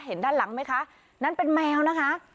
ด้านหลังไหมคะนั่นเป็นแมวนะคะ